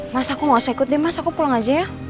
mas aku mau saya ikut deh mas aku pulang aja ya